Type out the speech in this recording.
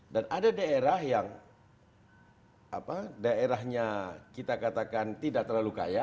dan ada daerah yang apa daerahnya kita katakan tidak terlalu kaya